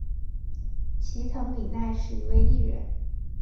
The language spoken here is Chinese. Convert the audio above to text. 齐藤里奈是一位艺人。